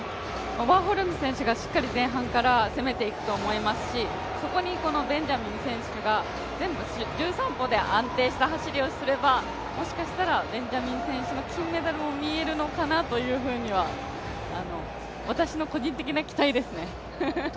ワーホルム選手がしっかり前半から攻めていくと思いますし、そこにベンジャミン選手が全部１３歩で安定した走りをすれば、もしかしたらベンジャミン選手の金メダルも見えるのかなとは、私の個人的な期待ですね。